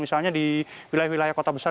misalnya di wilayah wilayah kota besar